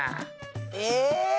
え！